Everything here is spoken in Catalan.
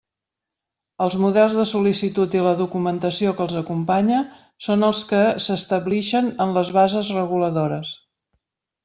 Els models de sol·licitud i la documentació que els acompanya són els que s'establixen en les bases reguladores.